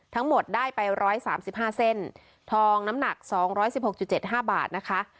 ทั้งหมดได้ไปร้อยสามสิบห้าเส้นทองน้ำหนักสองร้อยสิบหกจุดเจ็ดห้าบาทนะคะ